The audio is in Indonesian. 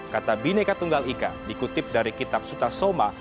kata bineka tunggal ika dikutip dari kitab suta soma